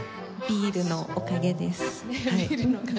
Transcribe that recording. ビールのおかげ。